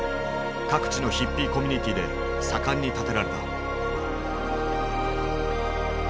各地のヒッピーコミュニティーで盛んに建てられた。